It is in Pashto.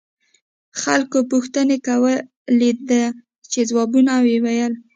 خلقو پوښتنې کولې ده يې ځوابونه ويل.